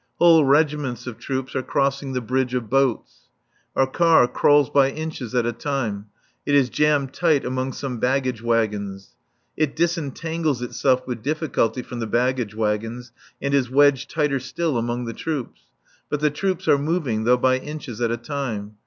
Whole regiments of troops are crossing the bridge of boats. Our car crawls by inches at a time. It is jammed tight among some baggage wagons. It disentangles itself with difficulty from the baggage wagons, and is wedged tighter still among the troops. But the troops are moving, though by inches at a time.